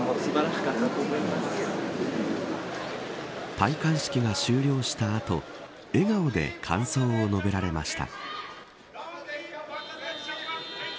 戴冠式が終了した後笑顔で感想を述べられました。